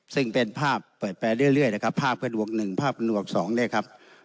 ซึ่งเป็นภาพเปิดแปลเรื่อยเรื่อยนะครับภาพกระดวกหนึ่งภาพกระดวกสองเนี่ยครับ